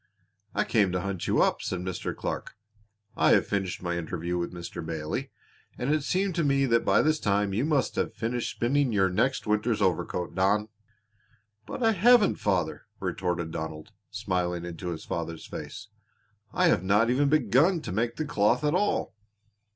"I came to hunt you up," said Mr. Clark. "I have finished my interview with Mr. Bailey, and it seemed to me that by this time you must have finished spinning your next winter's overcoat, Don." "But I haven't, father," retorted Donald, smiling into his father's face. "I have not even begun to make the cloth at all."